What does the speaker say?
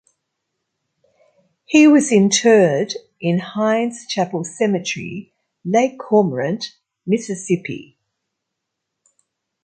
He was interred in Hinds Chapel Cemetery, Lake Cormorant, Mississippi.